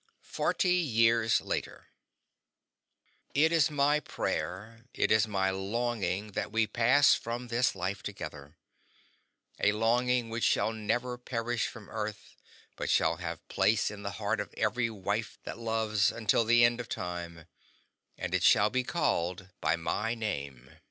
Forty Years Later It is my prayer, it is my longing, that we may pass from this life together a longing which shall never perish from the earth, but shall have place in the heart of every wife that loves, until the end of time; and it shall be called by my name.